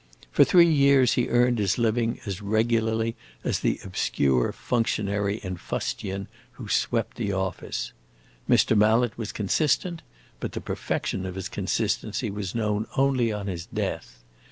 For three years he earned his living as regularly as the obscure functionary in fustian who swept the office. Mr. Mallet was consistent, but the perfection of his consistency was known only on his death.